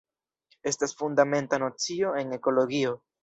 Estas fundamenta nocio en ekologio.